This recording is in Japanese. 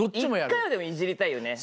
一回はでもいじりたいよね。